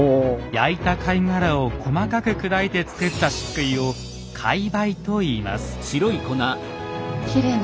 焼いた貝殻を細かく砕いて作ったしっくいを「貝灰」と言います。